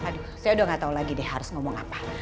aduh saya udah gak tau lagi deh harus ngomong apa